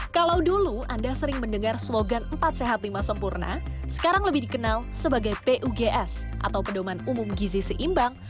kalau dulu anda sering mendengar slogan empat sehat lima sempurna sekarang lebih dikenal sebagai pugs atau pedoman umum gizi seimbang